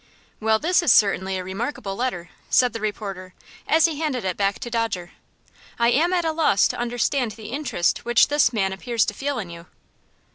"Well, this is certainly a remarkable letter," said the reporter, as he handed it back to Dodger. "I am at a loss to understand the interest which this man appears to feel in you."